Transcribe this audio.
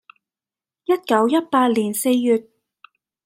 （一九一八年四月。）